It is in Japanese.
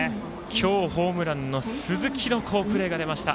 今日、ホームランの鈴木の好プレーが出ました。